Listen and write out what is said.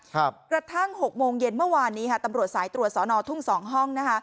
กระทั่ง๖โมงเย็นเมื่อวานนี้ตำรวจสายตรวจสอนอทุ่ง๒ห้อง